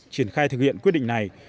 triển khai thực hiện quyết định này